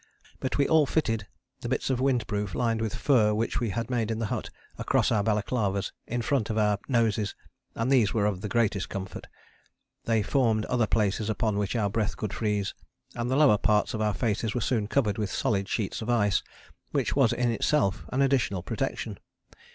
But we all fitted the bits of wind proof lined with fur which we had made in the hut, across our balaclavas in front of our noses, and these were of the greatest comfort. They formed other places upon which our breath could freeze, and the lower parts of our faces were soon covered with solid sheets of ice, which was in itself an additional protection.